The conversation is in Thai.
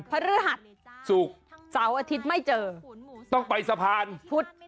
พระฤาทธิ์สุขสาวอาทิตย์ไม่เจอต้องไปสะพานพุทธ